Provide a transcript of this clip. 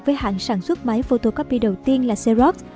với hãng sản xuất máy photocopy đầu tiên là xerox